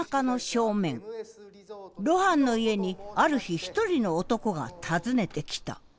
露伴の家にある日一人の男が訪ねてきた。